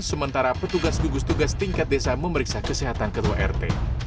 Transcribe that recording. sementara petugas gugus tugas tingkat desa memeriksa kesehatan ketua rt